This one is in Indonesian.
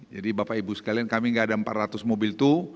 jadi bapak ibu sekalian kami gak ada empat ratus mobil itu